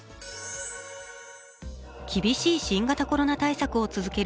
厳しい新型コロナ対策を続ける